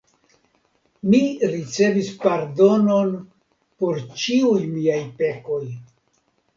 Mi ricevis pardonon por ĉiuj miaj pekoj!